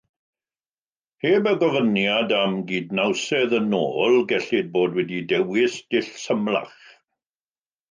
Heb y gofyniad am gydnawsedd yn ôl, gellid bod wedi dewis dull symlach.